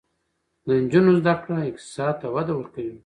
د نجونو زده کړه اقتصاد ته وده ورکوي.